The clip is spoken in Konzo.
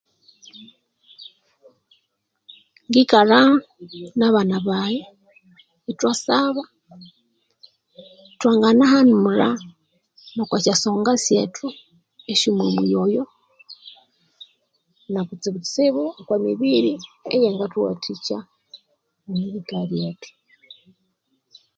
Ngikalha nabana baghe ithwa saba , thwanganahanulha oku syasonga syethu esyo momuyi oyo nakutsibu-tsibu oko mibiri eya ngathuwathikya ngerihika lyethu